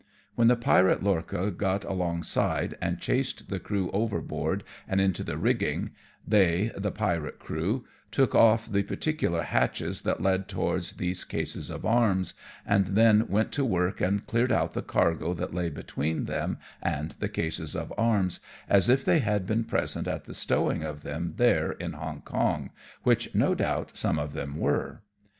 When the pirate lorcha got along side and chased the crew overboard and into the rigging, they, the pirate crew, took off the particular hatches that led towards these cases of arms, and then went to work and cleared out the cargo that lay be tween them and the cases of arms, as if they had been present at the stowing of them there in Hong Hong, which no doubt some of them were."